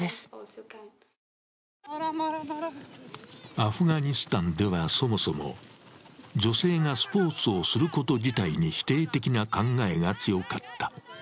アフガニスタンではそもそも女性がスポーツすること自体に否定的な考えが強かった。